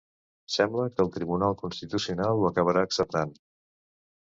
Sembla que el Tribunal Constitucional ho acabarà acceptant.